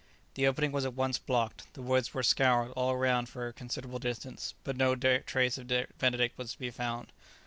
The opening was at once blocked up, the woods were scoured all round for a considerable distance, but no trace of Benedict was to be found.